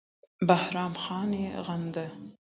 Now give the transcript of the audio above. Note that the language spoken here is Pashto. بهرام خان یې وغنده